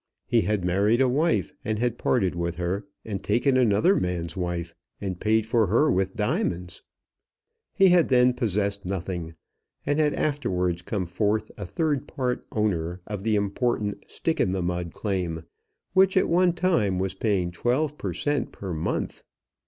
He had married a wife, and had parted with her, and taken another man's wife, and paid for her with diamonds. He had then possessed nothing, and had afterwards come forth a third part owner of the important Stick in the Mud claim, which at one time was paying 12 per cent per month.